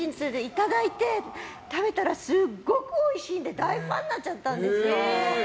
いただいて食べたら、すごくおいしいので大ファンになっちゃったんですよ。